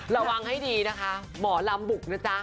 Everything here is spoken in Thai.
ระวังให้ดีนะคะหมอลำบุกนะจ๊ะ